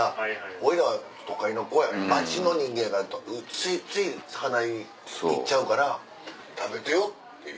俺らは都会の子や街の人間やからついつい魚に行っちゃうから食べてよっていう。